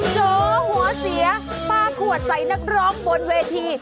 เจอหัวเสียปลาขวดใส่นักร้องบนเวที